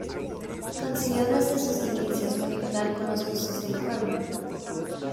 Consiguió desde sus inicios conectar con los gustos del pueblo.